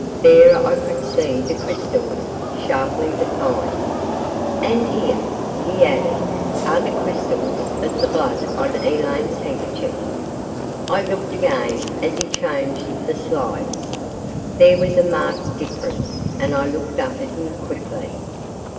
There I could see the crystals sharply defined. "And here," he added, "are the crystals of the blood on Elaine's handkerchief." I looked again as he changed the slides. There was a marked difference and I looked up at him quickly.